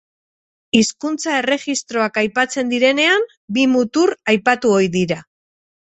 Hizkuntza-erregistroak aipatzen direnean, bi mutur aipatu ohi dira.